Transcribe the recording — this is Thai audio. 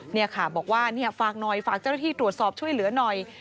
นี่ค่ะบอกว่าฝากหน่อยฝากเจ้าหน้าที่ตรวจสอบช่วยเหลือหน่อย